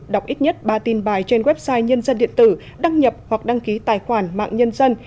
đọc ít nhất ba tin bài trên website nhân dân điện tử đăng nhập hoặc đăng ký tài khoản mạng nhân dân